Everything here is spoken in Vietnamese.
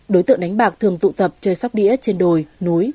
đối tượng đánh bạc thường tụ tập chơi sóc đĩa trên đồi núi